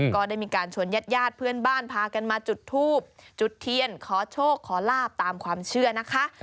ก็ได้มีการชวนญาติญาติเพื่อนบ้านพากันมาจุดทูบจุดเทียนขอโชคขอลาบตามความเชื่อนะคะ